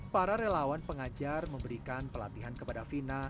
para relawan pengajar memberikan pelatihan berusaha yang berusaha